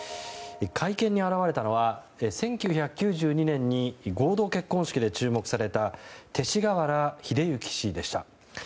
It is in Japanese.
会見に現れたのは、１９９２年に合同結婚式で注目された勅使河原秀行氏でした。